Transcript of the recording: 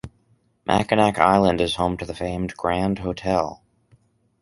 Mackinac Island is home to the famed Grand Hotel.